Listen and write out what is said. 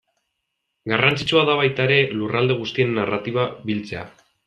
Garrantzitsua da baita ere lurralde guztien narratiba biltzea.